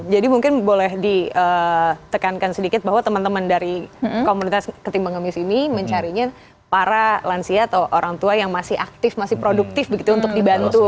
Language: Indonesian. mungkin boleh ditekankan sedikit bahwa teman teman dari komunitas ketimbang ngemis ini mencarinya para lansia atau orang tua yang masih aktif masih produktif begitu untuk dibantu